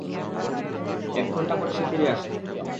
একঘন্টা পর সে ফিরে আসতো।